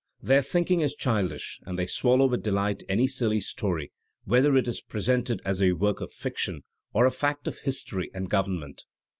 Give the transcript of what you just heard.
Their thinking is childish, and they swallow with delight any silly story, whether it is presented as a work of fiction or a fact of history and govern ment.